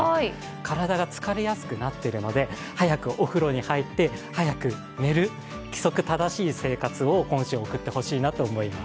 体が疲れやすくなっているので早くお風呂に入って早く寝る、規則正しい生活を今週は送ってほしいなと思います。